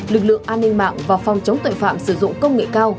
lực lượng an ninh mạng và phòng chống tội phạm sử dụng công nghệ cao